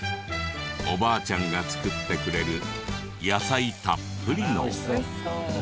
おばあちゃんが作ってくれる野菜たっぷりの。